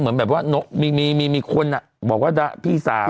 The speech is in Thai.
เหมือนแบบว่านกมีคนอ่ะบอกว่าดาราพี่สาว